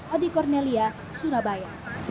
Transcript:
odi kornelia surabaya